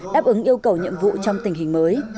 đáp ứng yêu cầu nhiệm vụ trong tình hình mới